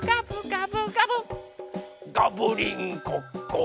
「ガブリンコッコ！」